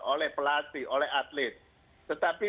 oleh pelatih oleh atlet tetapi